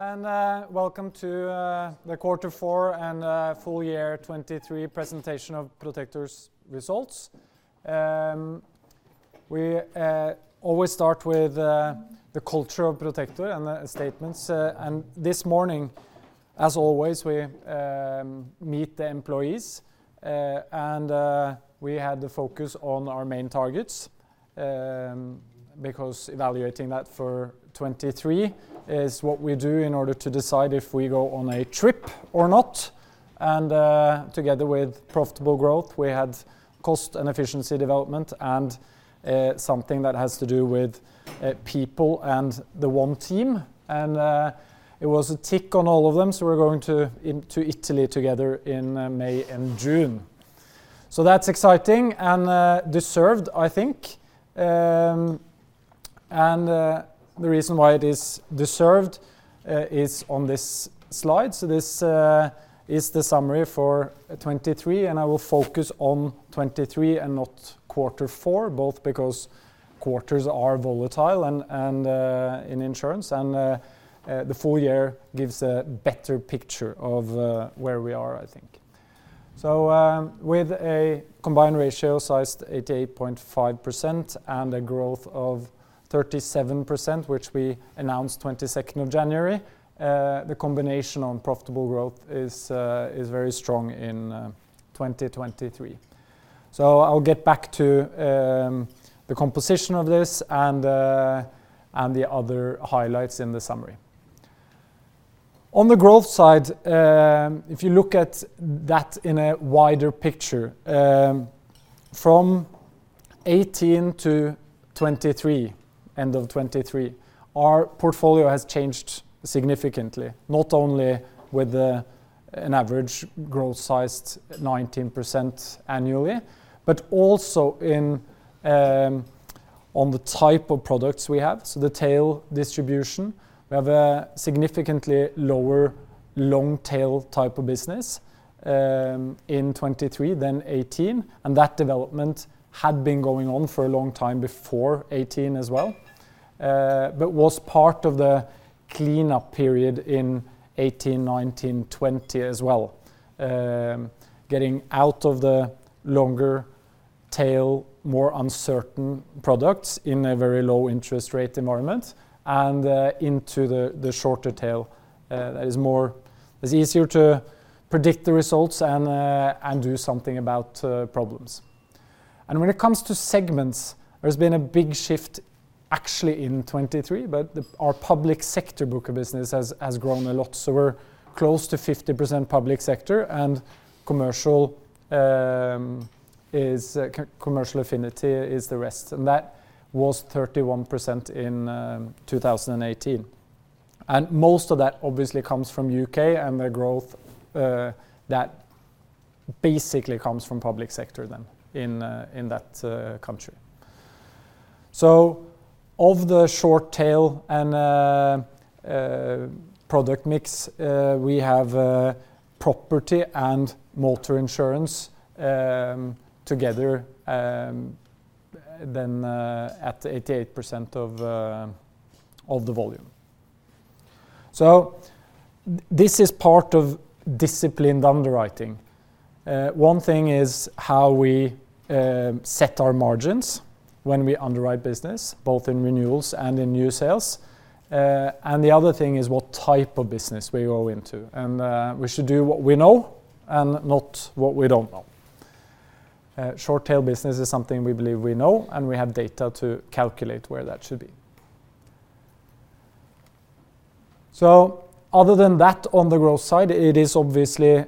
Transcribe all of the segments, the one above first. Welcome to the Quarter Four and Full Year 2023 presentation of Protector's results. We always start with the culture of Protector and the statements. This morning, as always, we meet the employees, and we had the focus on our main targets. Because evaluating that for 2023 is what we do in order to decide if we go on a trip or not. Together with profitable growth, we had cost and efficiency development and something that has to do with people and the one team. It was a tick on all of them, so we're going to Italy together in May and June. So that's exciting and deserved, I think. The reason why it is deserved is on this slide. This is the summary for 2023, and I will focus on 2023 and not quarter four, both because quarters are volatile and in insurance, and the full year gives a better picture of where we are, I think. With a combined ratio of 88.5% and a growth of 37%, which we announced 22nd of January, the combination of profitable growth is very strong in 2023. I'll get back to the composition of this and the other highlights in the summary. On the growth side, if you look at that in a wider picture, from 2018 to 2023, end of 2023, our portfolio has changed significantly, not only with an average growth sized 19% annually, but also in on the type of products we have. So the tail distribution, we have a significantly lower long tail type of business in 2023 than 2018, and that development had been going on for a long time before 2018 as well. But was part of the clean up period in 2018, 2019, 2020, as well. Getting out of the longer tail, more uncertain products in a very low interest rate environment and into the shorter tail that is more... It's easier to predict the results and do something about problems. When it comes to segments, there's been a big shift actually in 2023, but our public sector book of business has grown a lot, so we're close to 50% public sector, and commercial affinity is the rest, and that was 31% in 2018. Most of that obviously comes from U.K., and the growth that basically comes from public sector then in that country. Of the short tail and product mix, we have property and motor insurance together then at 88% of the volume. So this is part of disciplined underwriting. One thing is how we set our margins when we underwrite business, both in renewals and in new sales. And the other thing is what type of business we go into, and we should do what we know and not what we don't know. Short tail business is something we believe we know, and we have data to calculate where that should be. So other than that, on the growth side, it is obviously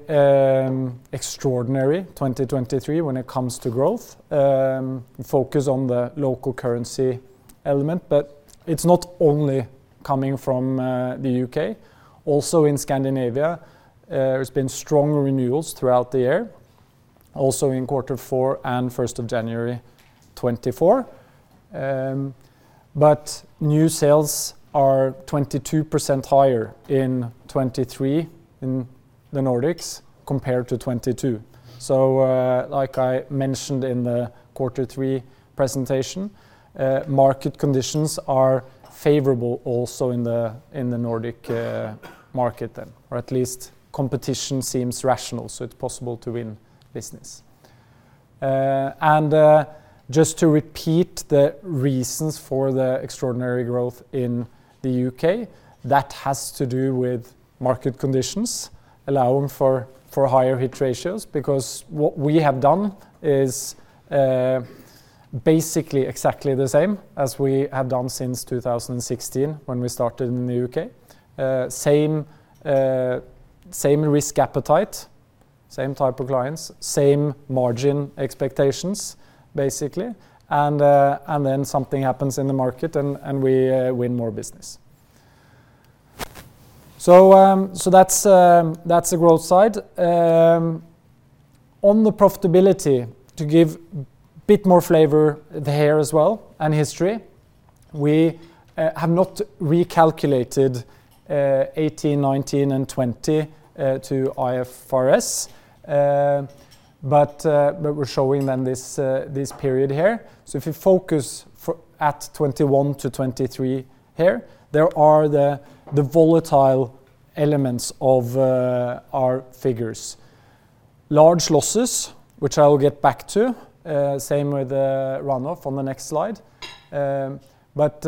extraordinary, 2023, when it comes to growth, focus on the local currency element, but it's not only coming from the U.K. Also in Scandinavia, there's been strong renewals throughout the year, also in quarter four and first of January 2024. But new sales are 22% higher in 2023 in the Nordics compared to 2022. So, like I mentioned in the quarter three presentation, market conditions are favorable also in the, in the Nordic, market then, or at least competition seems rational, so it's possible to win business. Just to repeat the reasons for the extraordinary growth in the U.K., that has to do with market conditions allowing for higher hit ratios, because what we have done is basically exactly the same as we have done since 2016 when we started in the U.K. Same risk appetite, same type of clients, same margin expectations, basically, and then something happens in the market and we win more business. So that's the growth side. On the profitability, to give bit more flavor there as well, and history, we have not recalculated 2018, 2019, and 2020 to IFRS, but we're showing then this period here. So if you focus for, at 2021 to 2023 here, there are the volatile elements of our figures. Large losses, which I will get back to, same with the runoff on the next slide. But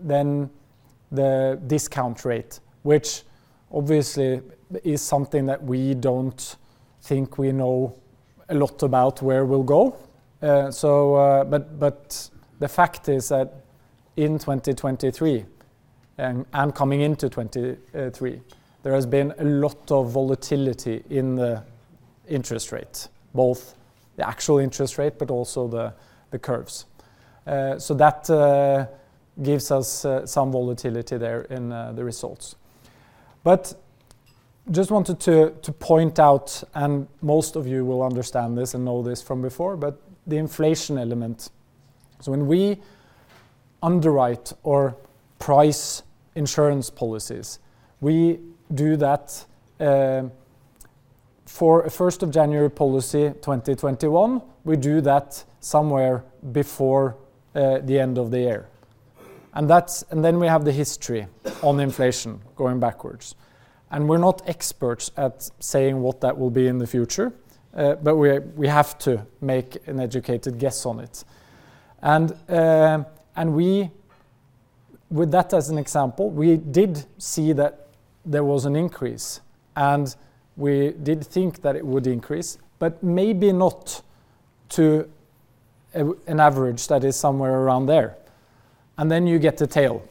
then the discount rate, which obviously is something that we don't think we know a lot about where we'll go. So, but the fact is that in 2023, and coming into 2023, there has been a lot of volatility in the interest rate, both the actual interest rate, but also the curves. So that gives us some volatility there in the results. But just wanted to point out, and most of you will understand this and know this from before, but the inflation element. So when we underwrite or price insurance policies, we do that for a first of January policy, 2021, we do that somewhere before the end of the year. And then we have the history on inflation going backwards. And we're not experts at saying what that will be in the future, but we have to make an educated guess on it. And we, with that as an example, we did see that there was an increase, and we did think that it would increase, but maybe not to an average that is somewhere around there. And then you get the tail,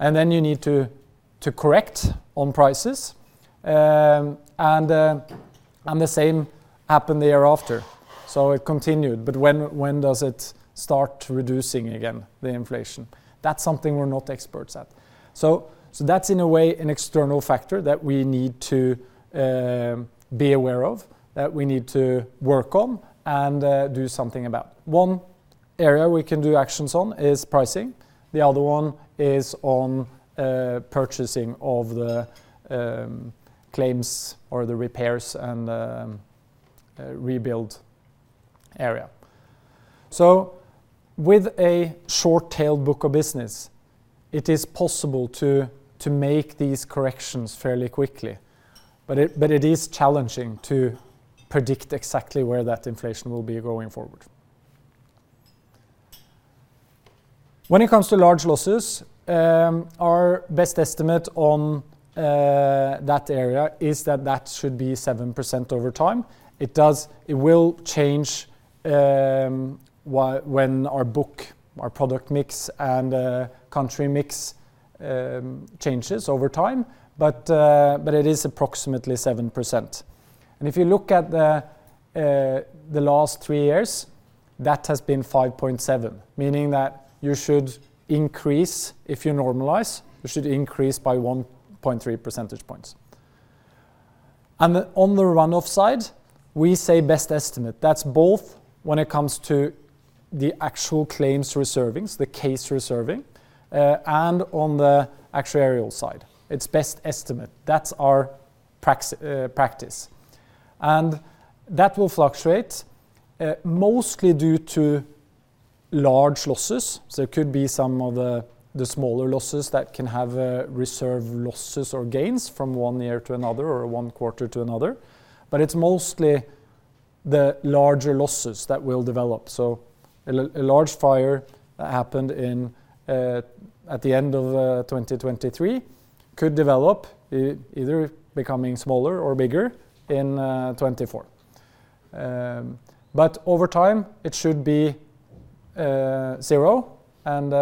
and then you need to correct on prices. And the same happened the year after. So it continued, but when does it start reducing again, the inflation? That's something we're not experts at. So that's in a way, an external factor that we need to be aware of, that we need to work on and do something about. One area we can do actions on is pricing. The other one is on purchasing of the claims or the repairs and rebuild area. So with a short-tailed book of business, it is possible to make these corrections fairly quickly, but it is challenging to predict exactly where that inflation will be going forward. When it comes to large losses, our best estimate on that area is that that should be 7% over time. It will change when our book, our product mix, and country mix changes over time, but but it is approximately 7%. And if you look at the the last three years, that has been 5.7, meaning that you should increase, if you normalize, you should increase by 1.3 percentage points. And on the runoff side, we say best estimate. That's both when it comes to the actual claims reserving, the case reserving, and on the actuarial side, it's best estimate. That's our practice. And that will fluctuate mostly due to large losses. So it could be some of the, the smaller losses that can have, reserve losses or gains from one year to another or one quarter to another, but it's mostly the larger losses that will develop. So a large fire happened in, at the end of, 2023, could develop, either becoming smaller or bigger in, 2024. But over time, it should be, zero, and,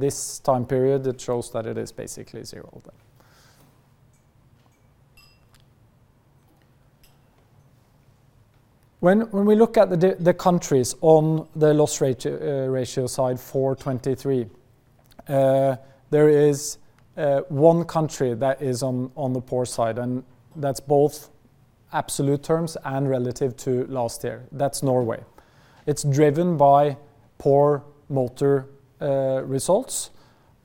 this time period, it shows that it is basically zero then. When we look at the countries on the loss ratio side for 2023, there is, one country that is on, on the poor side, and that's both absolute terms and relative to last year. That's Norway. It's driven by poor motor, results.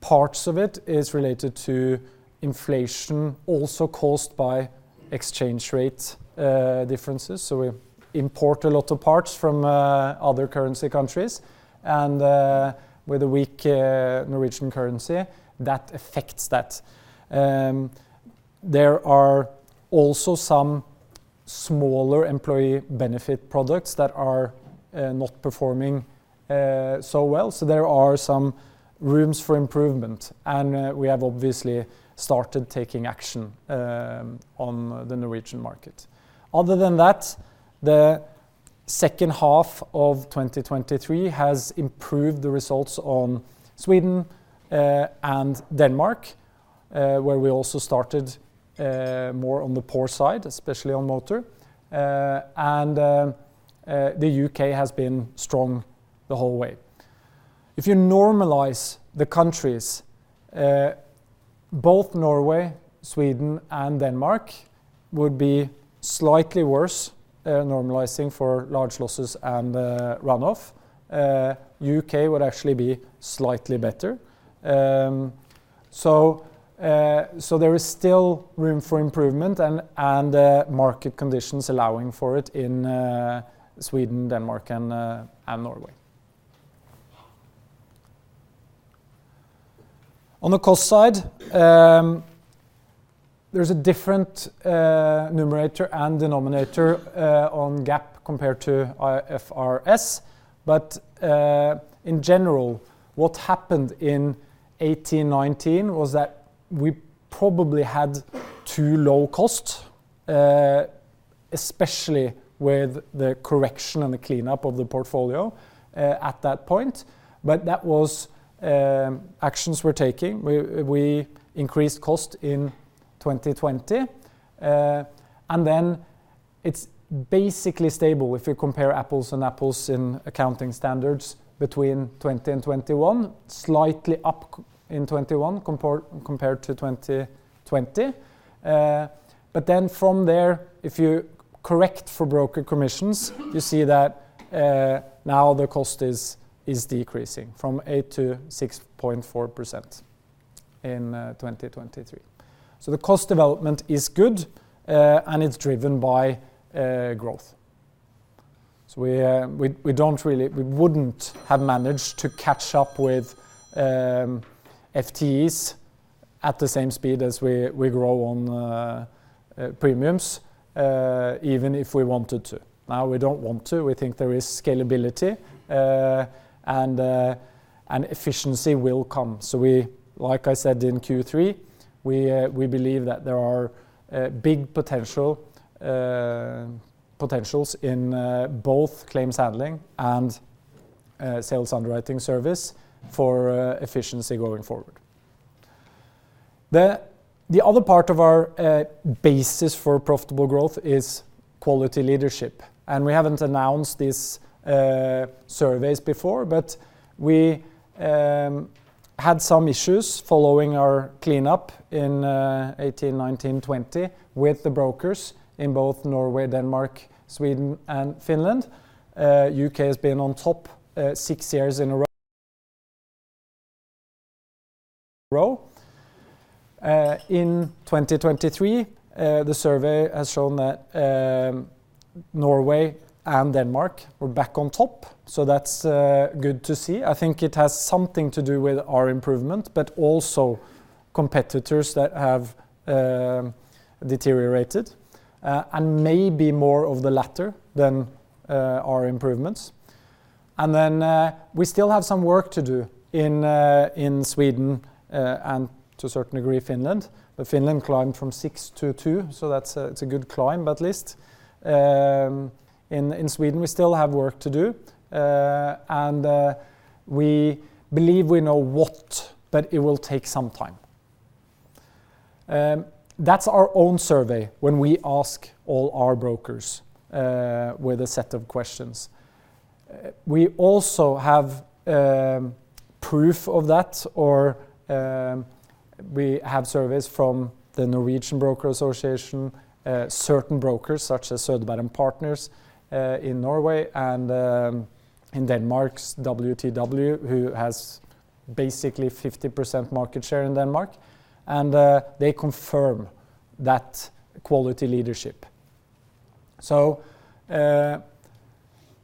Parts of it is related to inflation, also caused by exchange rate differences. So we import a lot of parts from other currency countries, and with a weak Norwegian currency, that affects that. There are also some smaller employee benefit products that are not performing so well. So there are some rooms for improvement, and we have obviously started taking action on the Norwegian market. Other than that, the second half of 2023 has improved the results on Sweden and Denmark, where we also started more on the poor side, especially on motor. And the U.K. has been strong the whole way. If you normalize the countries, both Norway, Sweden, and Denmark would be slightly worse, normalizing for large losses and runoff. U.K. would actually be slightly better. So, so there is still room for improvement and, and, market conditions allowing for it in, Sweden, Denmark, and, and Norway. On the cost side, there's a different, numerator and denominator, on GAAP compared to IFRS. But, in general, what happened in 2018-2019 was that we probably had too low cost, especially with the correction and the cleanup of the portfolio, at that point. But that was, actions we're taking. We increased cost in 2020. And then it's basically stable if you compare apples and apples in accounting standards between 2020 and 2021, slightly up in 2021, compared to 2020. But then from there, if you correct for broker commissions, you see that, now the cost is decreasing from 8% to 6.4% in 2023. So the cost development is good, and it's driven by growth. So we wouldn't have managed to catch up with FTEs at the same speed as we grow on premiums, even if we wanted to. Now, we don't want to. We think there is scalability, and efficiency will come. So we, like I said, in Q3, we believe that there are big potential, potentials in both claims handling and sales underwriting service for efficiency going forward. The other part of our basis for profitable growth is quality leadership, and we haven't announced these surveys before, but we had some issues following our cleanup in 2018, 2019, 2020 with the brokers in both Norway, Denmark, Sweden, and Finland. U.K. has been on top six years in a row. In 2023, the survey has shown that Norway and Denmark were back on top, so that's good to see. I think it has something to do with our improvement, but also competitors that have deteriorated, and maybe more of the latter than our improvements. We still have some work to do in Sweden and to a certain degree, Finland. But Finland climbed from six to two, so that's a good climb, at least. In Sweden, we still have work to do, and we believe we know what, but it will take some time. That's our own survey when we ask all our brokers with a set of questions. We also have proof of that, or we have surveys from the Norwegian Broker Association, certain brokers, such as Söderberg & Partners, in Norway and in Denmark, WTW, who has basically 50% market share in Denmark, and they confirm that quality leadership. So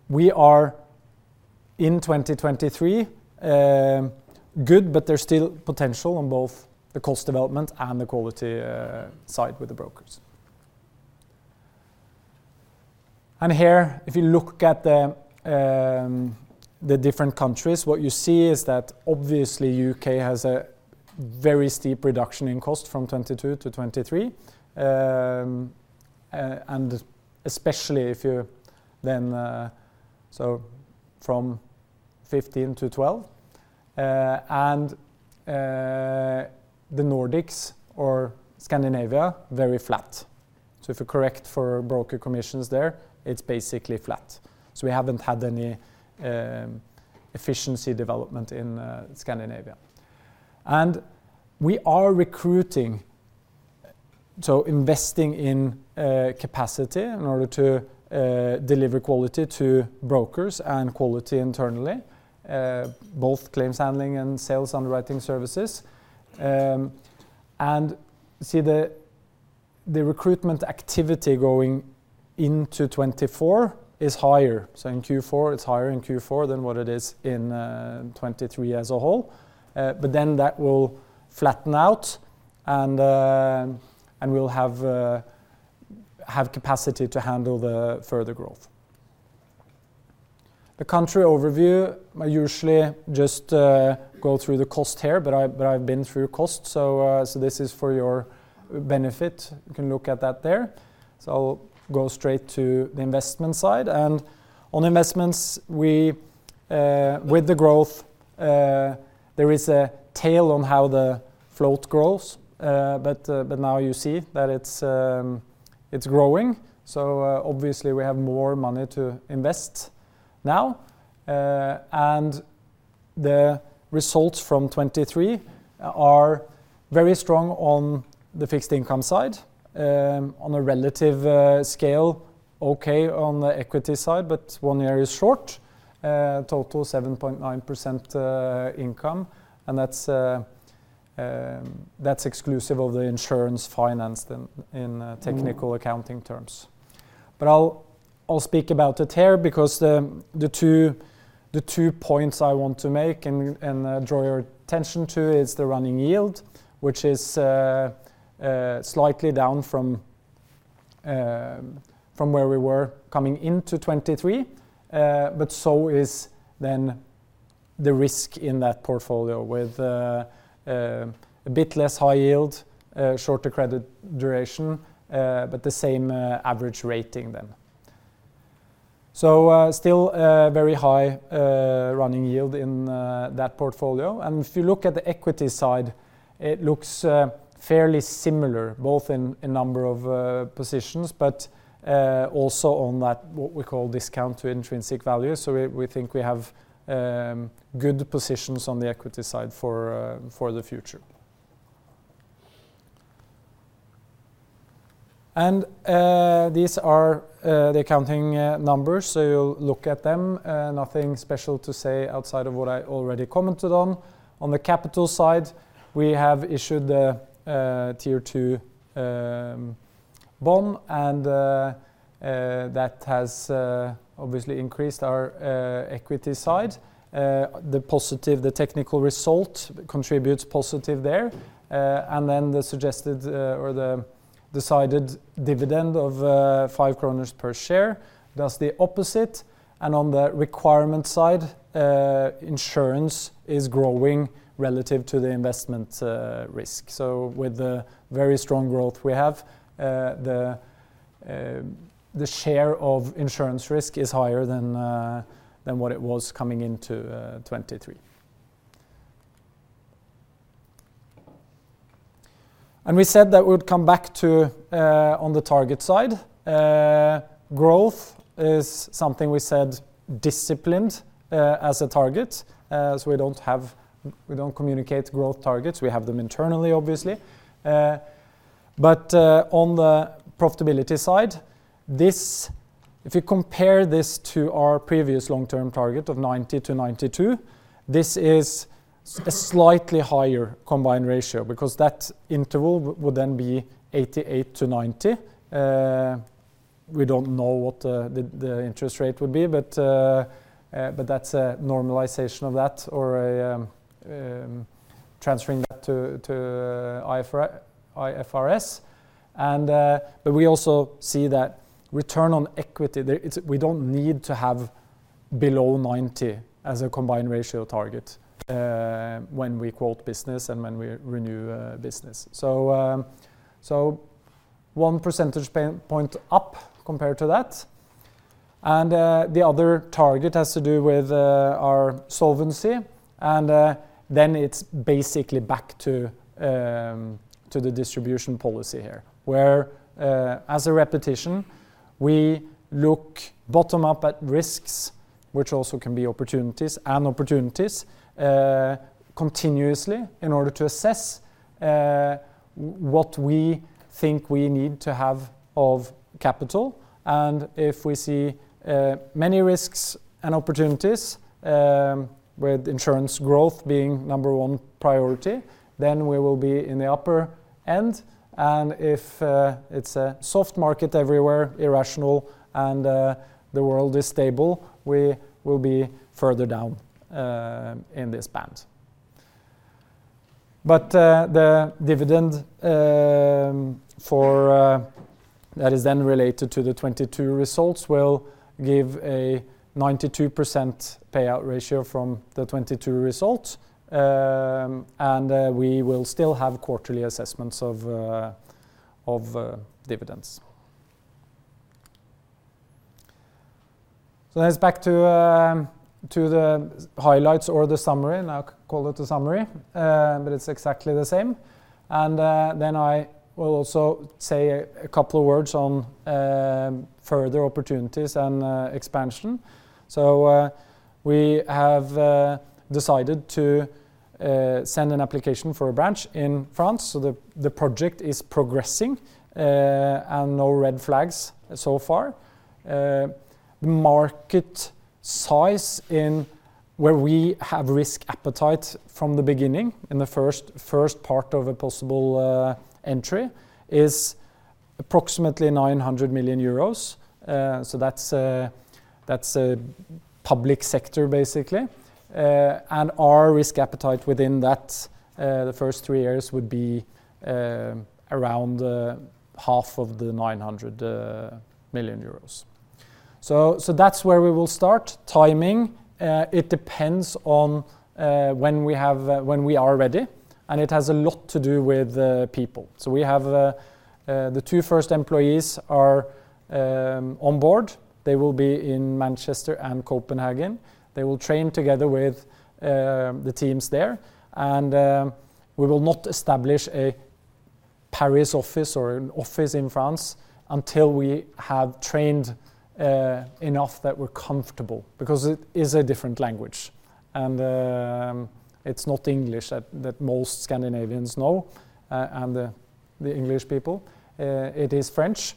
we are in 2023 good, but there's still potential on both the cost development and the quality side with the brokers. Here, if you look at the different countries, what you see is that obviously U.K. has a very steep reduction in cost from 2022 to 2023, and especially if you then so from 15%-12%, and the Nordics or Scandinavia very flat. So if you correct for broker commissions there, it's basically flat. So we haven't had any efficiency development in Scandinavia. We are recruiting, so investing in capacity in order to deliver quality to brokers and quality internally, both claims handling and sales underwriting services. And see the recruitment activity going into 2024 is higher. So in Q4, it's higher in Q4 than what it is in 2023 as a whole. But then that will flatten out and and we'll have capacity to handle the further growth. The country overview, I usually just go through the cost here, but I've been through cost, so so this is for your benefit. You can look at that there. So I'll go straight to the investment side. And on investments, with the growth, there is a tail on how the float grows. But now you see that it's growing, so obviously we have more money to invest now. And the results from 2023 are very strong on the fixed income side, on a relative scale, okay, on the equity side, but one year is short, total 7.9% income, and that's... That's exclusive of the insurance finance then in technical accounting terms. But I'll speak about it here, because the two points I want to make and draw your attention to is the running yield, which is slightly down from where we were coming into 2023. But so is then the risk in that portfolio with a bit less high yield, shorter credit duration, but the same average rating then. So, still a very high running yield in that portfolio. And if you look at the equity side, it looks fairly similar, both in number of positions, but also on that, what we call discount to intrinsic value. So we think we have good positions on the equity side for the future. And these are the accounting numbers, so you look at them. Nothing special to say outside of what I already commented on. On the capital side, we have issued the Tier two bond, and that has obviously increased our equity side. The positive, the technical result contributes positive there, and then the suggested, or the decided dividend of 5 kroner per share does the opposite, and on the requirement side, insurance is growing relative to the investment risk. So with the very strong growth we have, the share of insurance risk is higher than what it was coming into 2023. And we said that we would come back to on the target side. Growth is something we said disciplined as a target, as we don't have-- we don't communicate growth targets. We have them internally, obviously. But on the profitability side, this-- if you compare this to our previous long-term target of 90%-92%, this is a slightly higher combined ratio, because that interval would then be 88%-90. We don't know what the interest rate would be, but that's a normalization of that or a transferring that to IFRS. But we also see that return on equity, it's we don't need to have below 90 as a combined ratio target when we quote business and when we renew business. So one percentage point up compared to that. The other target has to do with our solvency, and then it's basically back to the distribution policy here. Where, as a repetition, we look bottom up at risks, which also can be opportunities, and opportunities continuously in order to assess what we think we need to have of capital. If we see many risks and opportunities, with insurance growth being number one priority, then we will be in the upper end, and if it's a soft market everywhere, irrational, and the world is stable, we will be further down in this band. The dividend for that is then related to the 2022 results will give a 92% payout ratio from the 2022 results, and we will still have quarterly assessments of dividends. So let's back to to the highlights or the summary, and I'll call it the summary, but it's exactly the same. Then I will also say a couple of words on further opportunities and expansion. We have decided to send an application for a branch in France. So the project is progressing, and no red flags so far. The market size in where we have risk appetite from the beginning, in the first part of a possible entry, is approximately 900 million euros. So that's a, that's a public sector, basically. And our risk appetite within that, the first three years would be, around, half of the 900 million euros. So that's where we will start timing. It depends on, when we have, when we are ready, and it has a lot to do with the people. So we have, the two first employees are, on board. They will be in Manchester and Copenhagen. They will train together with the teams there, and we will not establish a Paris office or an office in France until we have trained enough that we're comfortable, because it is a different language, and it's not English that most Scandinavians know and the English people. It is French.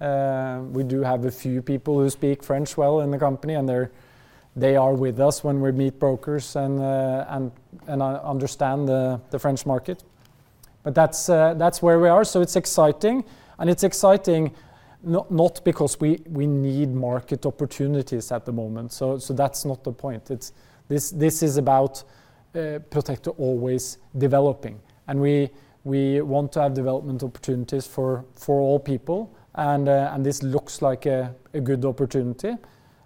We do have a few people who speak French well in the company, and they are with us when we meet brokers and understand the French market. But that's where we are. So it's exciting, and it's exciting not because we need market opportunities at the moment. So that's not the point. It's this. This is about Protect always developing, and we want to have development opportunities for all people, and this looks like a good opportunity.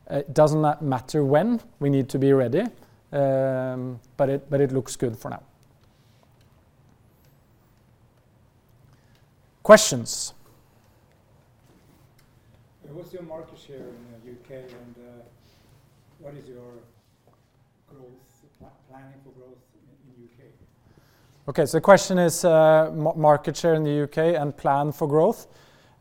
It doesn't matter when, we need to be ready. But it looks good for now. Questions? What's your market share in the U.K., and what is your growth planning for growth in the U.K.? Okay, so the question is, market share in the U.K. and plan for growth.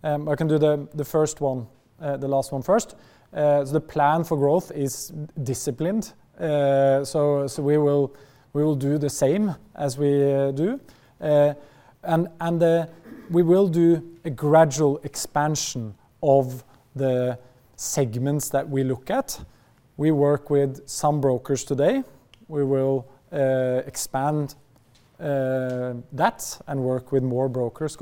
I can do the first one, the last one first. So the plan for growth is disciplined. So we will do the same as we do. And we will do a gradual expansion of the segments that we look at. We work with some brokers today. We will expand that and work with more brokers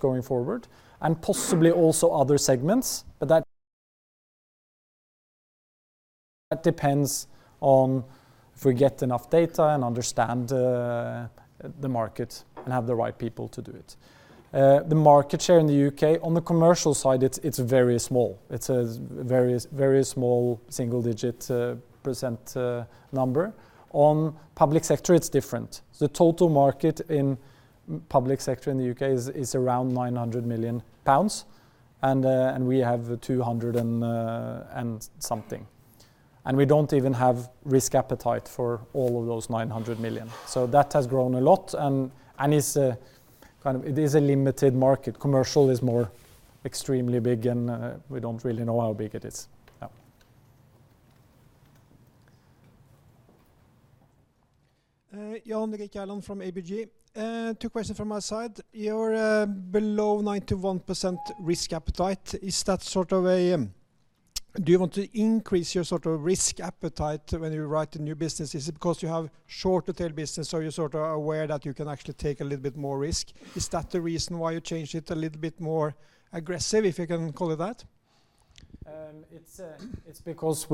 going forward, and possibly also other segments, but that depends on if we get enough data and understand the market and have the right people to do it. The market share in the U.K., on the commercial side, it's very small. It's a very, very small single-digit % number. On public sector, it's different. The total market in public sector in the U.K. is around 900 million pounds, and we have 200 and something. And we don't even have risk appetite for all of those 900 million. So that has grown a lot, and it's a kind of- it is a limited market. Commercial is more extremely big, and we don't really know how big it is. Yeah. Jan Erik Gjerland from ABG. Two questions from my side. You're below 91% risk appetite. Is that sort of a... Do you want to increase your sort of risk appetite when you write a new business? Is it because you have shorter tail business, so you're sort of aware that you can actually take a little bit more risk? Is that the reason why you changed it a little bit more aggressive, if I can call it that? It's because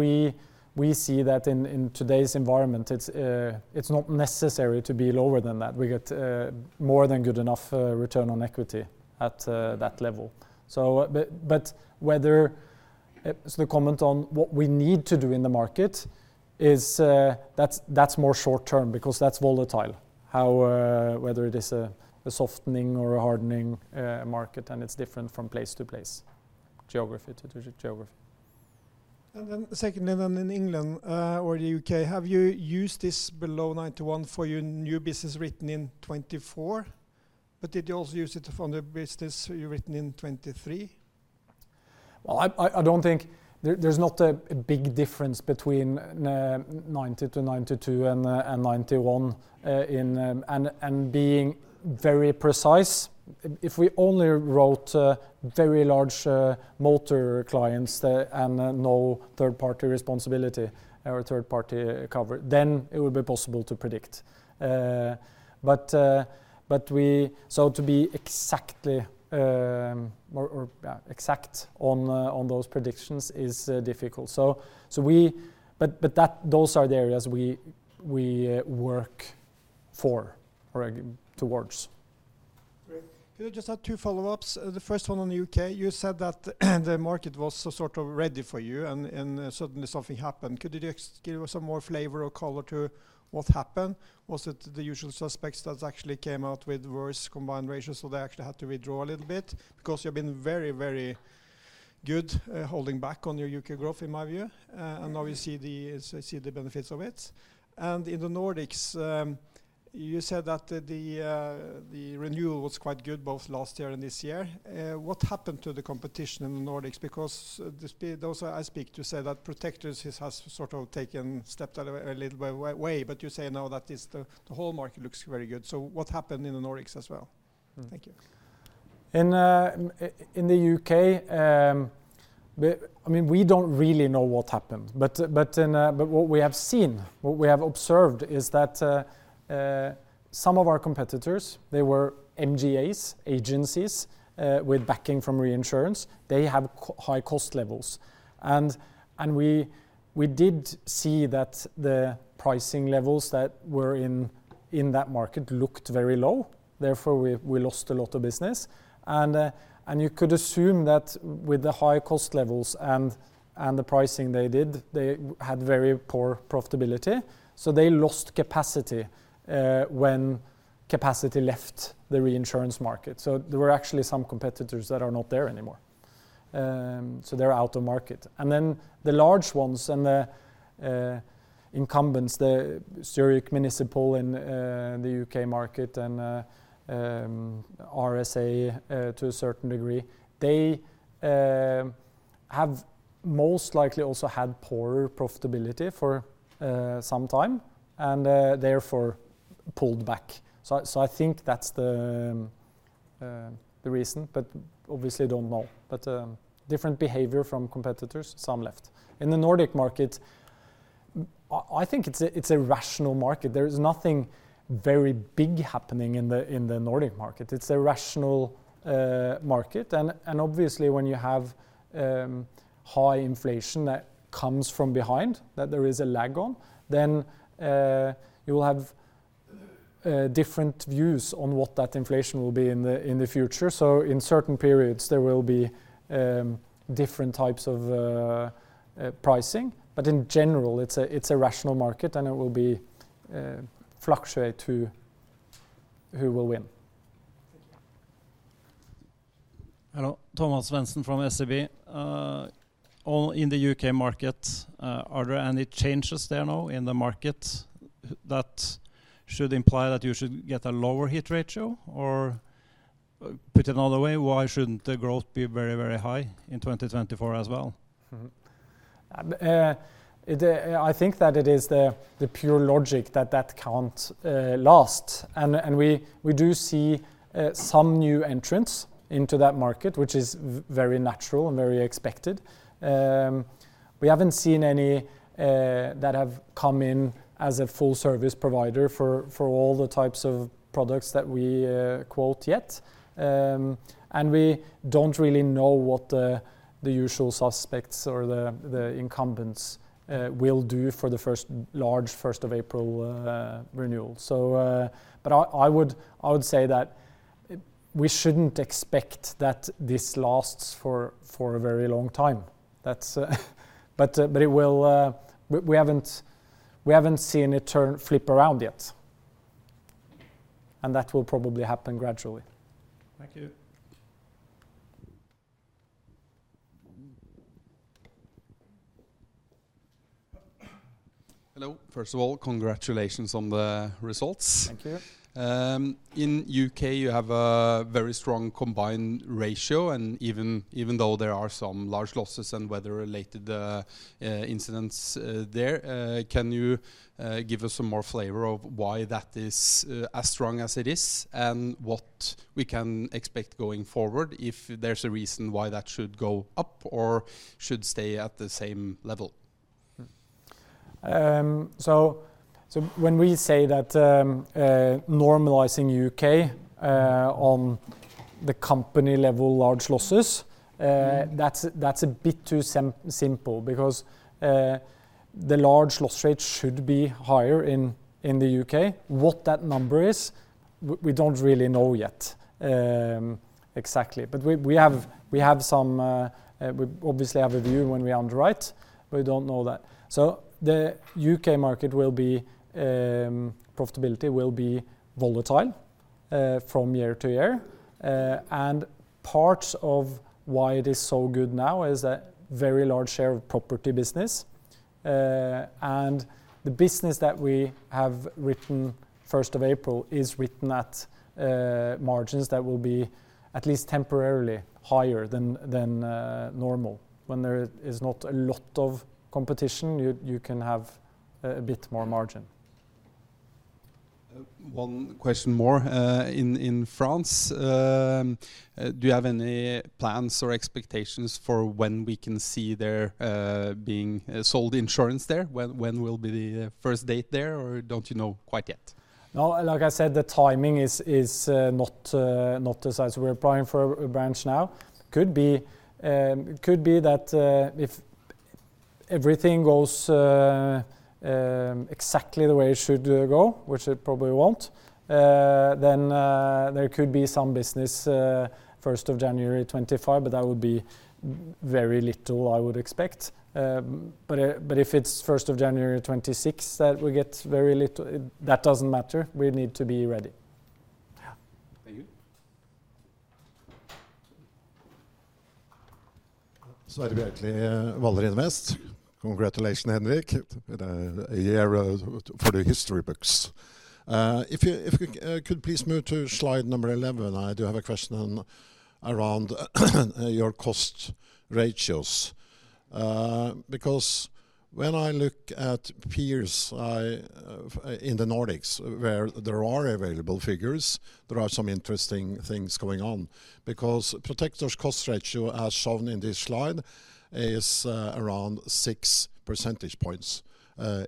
we see that in today's environment, it's not necessary to be lower than that. We get more than good enough return on equity at that level. So, but whether so the comment on what we need to do in the market is, that's more short term because that's volatile. Whether it is a softening or a hardening market, and it's different from place to place, geography to geography. And then secondly, in England, or the U.K., have you used this below 91 for your new business written in 2024? But did you also use it on the business you written in 2023? Well, I don't think there's a big difference between 90-92 and 91. Being very precise, if we only wrote very large motor clients and no third-party responsibility or third-party cover, then it would be possible to predict. But to be exact on those predictions is difficult. Those are the areas we work for or towards. Great. Could I just add two follow-ups? The first one on the U.K., you said that the market was sort of ready for you, and suddenly something happened. Could you just give us some more flavor or color to what happened? Was it the usual suspects that actually came out with worse combined ratios, so they actually had to withdraw a little bit? Because you've been very, very good holding back on your U.K. growth, in my view, and now we see the benefits of it. And in the Nordics, you said that the renewal was quite good both last year and this year. What happened to the competition in the Nordics? Because those I speak to say that Protector has sort of taken a step out a little bit away, but you say now that the whole market looks very good. So what happened in the Nordics as well? Thank you. In the U.K., we, I mean, we don't really know what happened, but then, but what we have seen, what we have observed is that, some of our competitors, they were MGAs, agencies, with backing from reinsurance. They have high cost levels. And we did see that the pricing levels that were in that market looked very low. Therefore, we lost a lot of business. And you could assume that with the high cost levels and the pricing they did, they had very poor profitability, so they lost capacity, when capacity left the reinsurance market. So there were actually some competitors that are not there anymore. So they're out of market. And then the large ones and the incumbents, the Zurich Municipal in the U.K. market and RSA, to a certain degree, they have most likely also had poorer profitability for some time and therefore pulled back. So I think that's the reason, but obviously don't know. But different behavior from competitors, some left. In the Nordic market, I think it's a rational market. There is nothing very big happening in the Nordic market. It's a rational market, and obviously, when you have high inflation that comes from behind, that there is a lag on, then you will have different views on what that inflation will be in the future. So in certain periods, there will be different types of pricing, but in general, it's a rational market, and it will be fluctuate to who will win. Thank you. Hello, Thomas Svendsen from SEB. All in the U.K. market, are there any changes there now in the market that should imply that you should get a lower hit ratio? Or, put another way, why shouldn't the growth be very, very high in 2024 as well? I think that it is the pure logic that that can't last, and we do see some new entrants into that market, which is very natural and very expected. We haven't seen any that have come in as a full service provider for all the types of products that we quote yet. And we don't really know what the usual suspects or the incumbents will do for the first large first of April renewal. So, but I would say that we shouldn't expect that this lasts for a very long time. That's but it will... We haven't seen it turn, flip around yet, and that will probably happen gradually. Thank you. Hello. First of all, congratulations on the results. Thank you. In U.K., you have a very strong combined ratio, and even though there are some large losses and weather-related incidents, can you give us some more flavor of why that is as strong as it is, and what we can expect going forward, if there's a reason why that should go up or should stay at the same level? So, when we say that, normalizing U.K. on the company level, large losses, that's a bit too simple because the large loss rate should be higher in the U.K. What that number is, we don't really know yet, exactly. But we have, we obviously have a view when we underwrite, but we don't know that. So the U.K. market will be, profitability will be volatile from year to year. And part of why it is so good now is a very large share of property business. And the business that we have written first of April is written at margins that will be at least temporarily higher than normal. When there is not a lot of competition, you can have a bit more margin. One question more. In France, do you have any plans or expectations for when we can see there being sold insurance there? When will be the first date there, or don't you know quite yet? No, like I said, the timing is not as I... We're applying for a branch now. Could be that if everything goes exactly the way it should go, which it probably won't, then there could be some business first of January 2025, but that would be very little, I would expect. But if it's first of January 2026, that will get very little, that doesn't matter. We need to be ready. Yeah. Thank you. Sverre Bjerkeli, Valarin Vest. Congratulations, Henrik, with a year for the history books. If we could please move to slide number 11, I do have a question around your cost ratios. Because when I look at peers, I in the Nordics, where there are available figures, there are some interesting things going on. Because Protector's cost ratio, as shown in this slide, is around 6 percentage points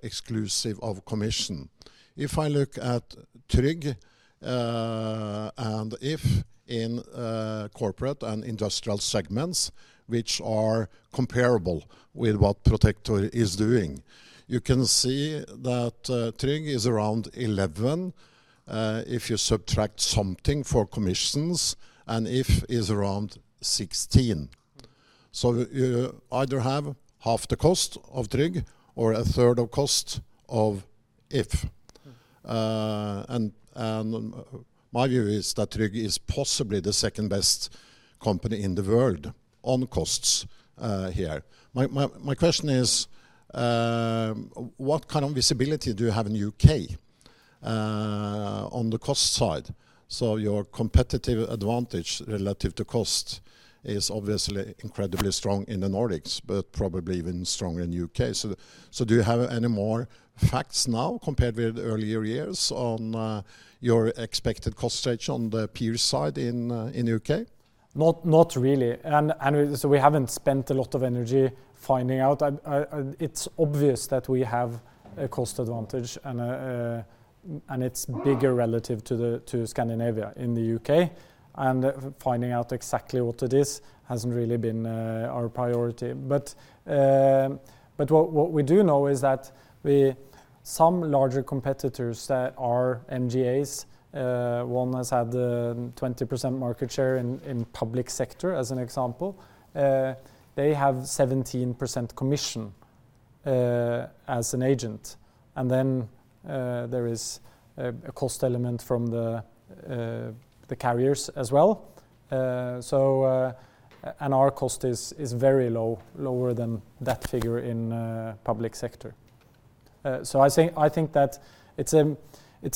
exclusive of commission. If I look at Tryg and If in corporate and industrial segments, which are comparable with what Protector is doing, you can see that Tryg is around 11 if you subtract something for commissions, and If is around 16. So you either have half the cost of Tryg or a third of cost of If. And my view is that Tryg is possibly the second-best company in the world on costs, here. My question is, what kind of visibility do you have in U.K.? on the cost side, so your competitive advantage relative to cost is obviously incredibly strong in the Nordics, but probably even stronger in U.K. So do you have any more facts now compared with earlier years on, your expected cost stretch on the peer side in U.K.? Not, not really. And, and so we haven't spent a lot of energy finding out. It's obvious that we have a cost advantage, and it's bigger relative to Scandinavia in the U.K., and finding out exactly what it is hasn't really been our priority. But what we do know is that we, some larger competitors that are MGAs, one has had 20% market share in public sector, as an example. They have 17% commission as an agent, and then there is a cost element from the carriers as well. And our cost is very low, lower than that figure in public sector. So, I think, I think that it's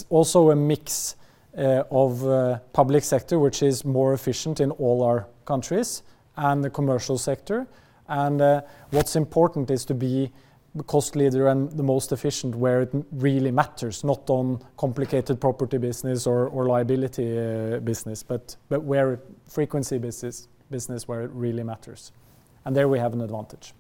also a mix of public sector, which is more efficient in all our countries and the commercial sector. And what's important is to be the cost leader and the most efficient where it really matters, not on complicated property business or liability business, but where frequency business, business, where it really matters, and there we have an advantage.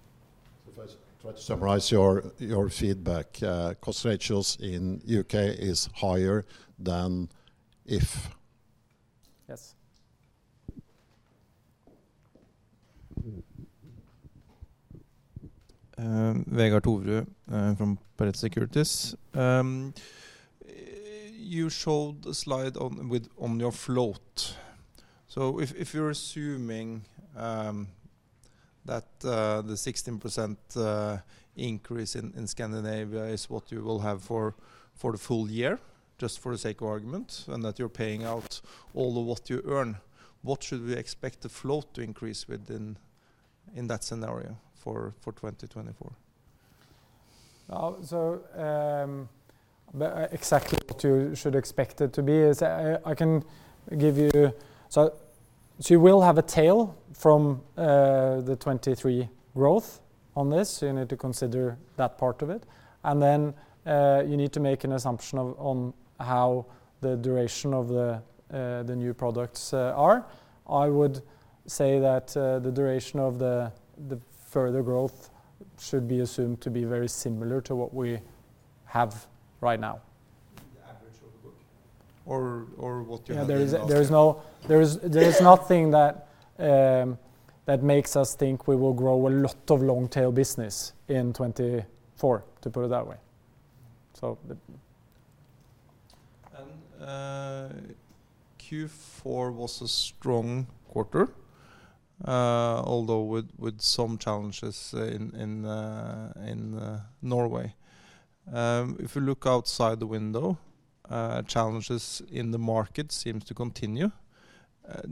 If I try to summarize your, your feedback, cost ratios in U.K. is higher than If- Yes. Vegard Toverud from Pareto Securities. You showed a slide on your float. So if you're assuming that the 16% increase in Scandinavia is what you will have for the full year, just for the sake of argument, and that you're paying out all of what you earn, what should we expect the float to increase within that scenario for 2024? So, exactly what you should expect it to be is, I can give you... So you will have a tail from, the 2023 growth on this. You need to consider that part of it. And then, you need to make an assumption of on how the duration of the, the new products, are. I would say that, the duration of the, the further growth should be assumed to be very similar to what we have right now. The average of the book or what you have- Yeah, there is nothing that makes us think we will grow a lot of long tail business in 2024, to put it that way. So the- Q4 was a strong quarter, although with some challenges in Norway. If you look outside the window, challenges in the market seems to continue.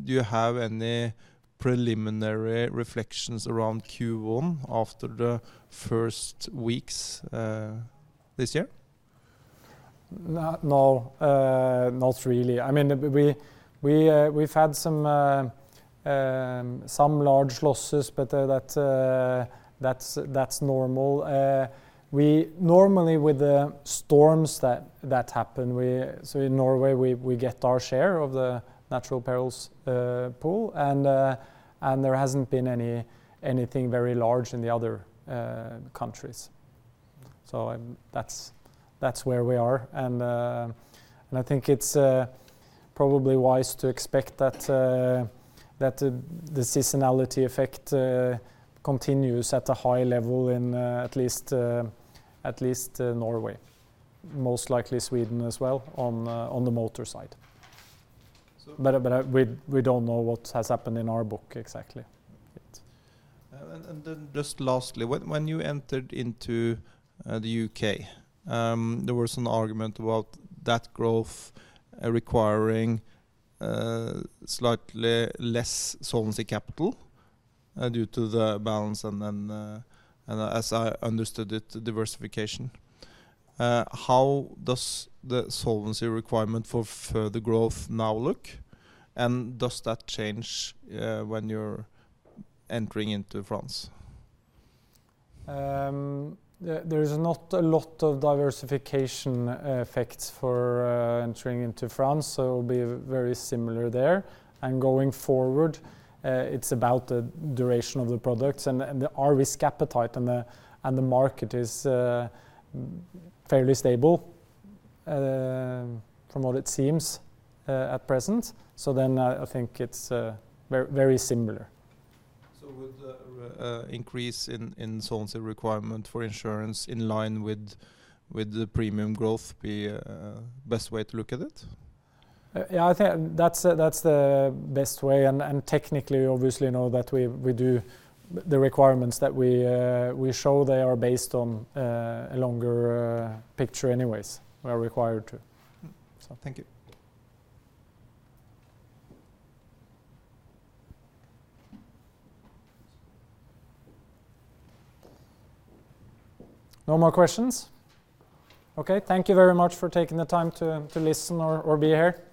Do you have any preliminary reflections around Q1 after the first weeks, this year? No, not really. I mean, we've had some large losses, but that's normal. We normally, with the storms that happen, so in Norway, we get our share of the natural perils pool, and there hasn't been anything very large in the other countries. So that's where we are. And I think it's probably wise to expect that the seasonality effect continues at a high level in at least Norway, most likely Sweden as well, on the motor side. But we don't know what has happened in our book exactly yet. And then just lastly, when you entered into the U.K., there was an argument about that growth requiring slightly less solvency capital due to the balance and then, and as I understood it, diversification. How does the solvency requirement for further growth now look, and does that change when you're entering into France? There is not a lot of diversification effects for entering into France, so it will be very similar there. And going forward, it's about the duration of the products and our risk appetite, and the market is fairly stable from what it seems at present. So then I think it's very, very similar. So would the increase in solvency requirement for insurance in line with the premium growth be a best way to look at it? Yeah, I think that's the, that's the best way, and, and technically, obviously, you know, that we, we do the requirements that we, we show they are based on a longer picture anyways. We are required to. Thank you. No more questions? Okay. Thank you very much for taking the time to listen or be here.